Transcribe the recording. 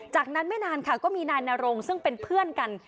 จากนั้นไม่นานค่ะก็มีนายนรงซึ่งเป็นเพื่อนกัน